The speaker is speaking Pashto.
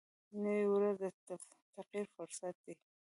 نوې ورځ د تغیر فرصت دی